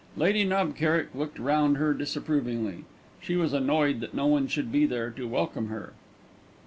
Lady Knob Kerrick looked round her disapprovingly. She was annoyed that no one should be there to welcome her.